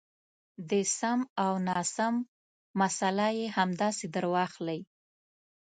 د سم او ناسم مساله یې همداسې درواخلئ.